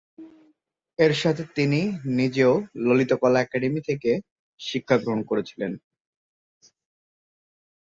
এর সাথে তিনি নিজেও ললিত কলা একাডেমী থেকে শিক্ষা গ্রহণ করেছিলেন।